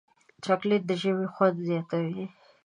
چاکلېټ د ژمي خوند زیاتوي.